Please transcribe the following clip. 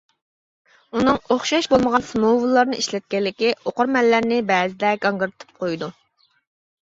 ئۇنىڭ ئوخشاش بولمىغان سىمۋوللارنى ئىشلەتكەنلىكى ئوقۇرمەنلەرنى بەزىدە گاڭگىرىتىپ قويىدۇ.